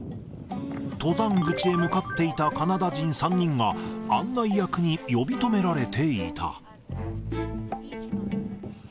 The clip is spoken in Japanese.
登山口へ向かっていたカナダ人３人が、案内役に呼び止められていた。